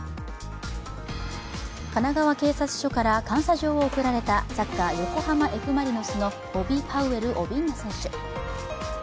神奈川警察署から感謝状を贈られたサッカー、横浜Ｆ・マリノスのオビ・パウエル・オビンナ選手。